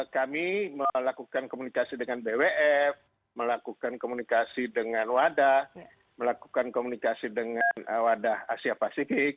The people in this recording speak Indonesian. kami melakukan komunikasi dengan bwf melakukan komunikasi dengan wadah melakukan komunikasi dengan wadah asia pasifik